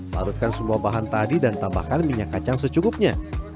lalutkan semua bahan tadi dan tambahkan minyak kacang secukupnya